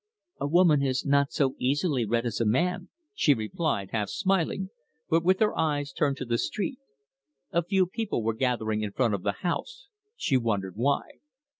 "A woman is not so easily read as a man," she replied, half smiling, but with her eyes turned to the street. A few people were gathering in front of the house she wondered why.